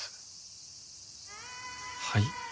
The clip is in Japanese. はい？